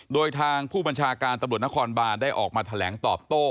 โดยทางผู้บัญชาการตำรวจนครบานได้ออกมาแถลงตอบโต้